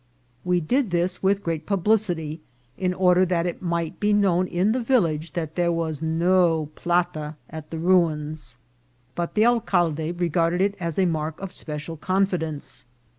We did this with great publicity, in order that it might be known in the village that there was no " plata" at the ruins, but the alcalde regarded it as a mark of special confidence.